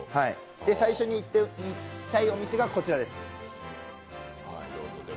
最初に行きたいお店がこちらです。